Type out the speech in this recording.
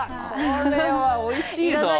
これはおいしいぞ。